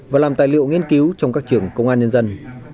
và làm tài liệu nghiên cứu trong các trường công an nhân dân